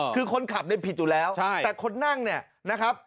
คือคนขับได้ผิดอยู่แล้วแต่คนนั่งนะครับ